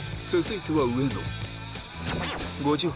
続いては上野。